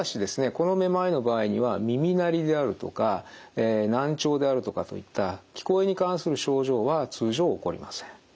このめまいの場合には耳鳴りであるとか難聴であるとかといった聞こえに関する症状は通常起こりません。